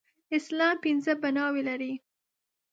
اسلام پنځه بناوې لري